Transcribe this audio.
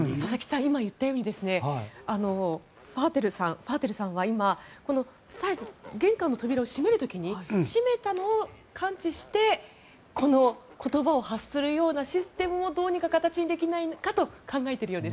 今、言ったようにファーテルさんは今、この玄関の扉を閉める時に閉めたのを感知してこの言葉を発するようなシステムもどうにか形にできないかと考えているようです。